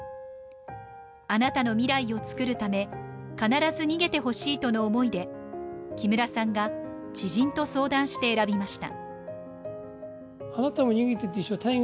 あなたの未来を作るため、必ず逃げてほしいとの思いで木村さんが知人と相談して選びました。